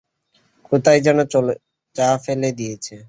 কোথায় যেন চা ফেলে দিয়েছে।